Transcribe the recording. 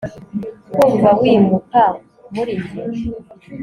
kumva wimuka muri njye